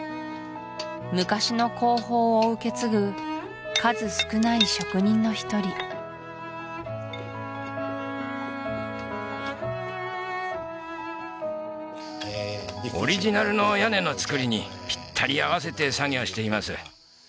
昔の工法を受け継ぐ数少ない職人の一人オリジナルの屋根のつくりにぴったり合わせて作業しています